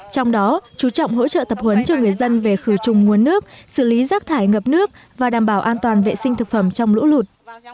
trong đó chú trọng hỗ trợ tập huấn cho người dân về khử trùng nguồn nước xử lý rác thải ngập nước và đảm bảo an toàn vệ sinh thực phẩm trong lũ lụt